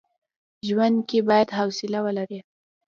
ژوند کي بايد حوصله ولري.